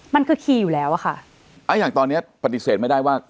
มันคือคีย์อยู่แล้วอะค่ะอ่าอย่างตอนเนี้ยปฏิเสธไม่ได้ว่า